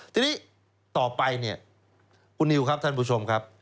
ตรงนี้ต่อไปคุณนิวครับท่านผู้ชมครับ